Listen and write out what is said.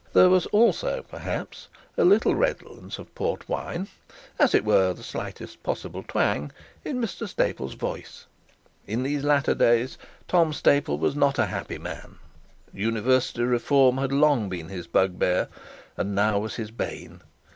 There was also, perhaps with a little redolence of port wine, as it were the slightest possible twang, in Mr Staple's voice. In these days Tom Staple was not a very happy man; University reform had long been his bugbear, and now was his bane.